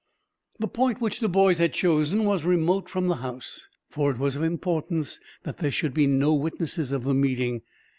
The point which the boys had chosen was remote from the house, for it was of importance that there should be no witnesses of the meeting.